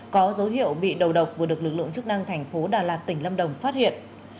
có dấu hiệu bị đầu độc vừa được lực lượng chức năng thành phố đà lạt tỉnh lâm đồng phát hiện